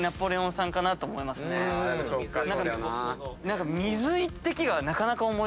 何か。